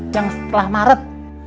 yang setelah maret